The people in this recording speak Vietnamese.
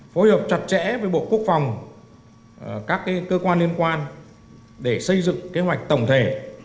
phối hợp chặt chẽ với bộ quốc phòng các cơ quan liên quan để xây dựng kế hoạch tổng thể